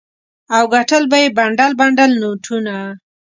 او ګټل به یې بنډل بنډل نوټونه.